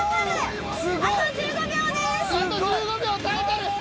あと１５秒です！